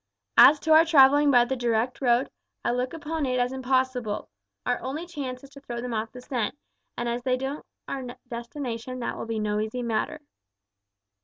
As to our travelling by the direct road, I look upon it as impossible. Our only chance is to throw them off the scent, and as they know our destination that will be no easy matter."